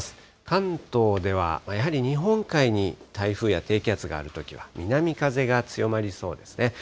関東では、やはり日本海に台風や低気圧があるときは、南風が強まりそうですね。